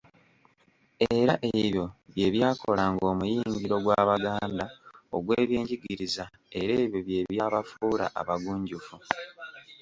Era ebyo bye byakolanga omuyungiro gw’Abaganda ogw’ebyenjigiriza era ebyo bye byabafuula abagunjufu.